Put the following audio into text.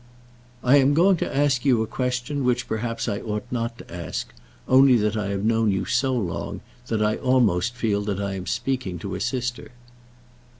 "I am going to ask you a question which perhaps I ought not to ask, only that I have known you so long that I almost feel that I am speaking to a sister."